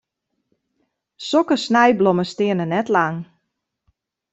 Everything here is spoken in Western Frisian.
Sokke snijblommen steane net lang.